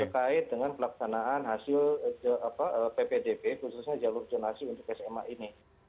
terkait dengan pelaksanaan hasil ppdb khususnya jalur jonasi untuk sma ini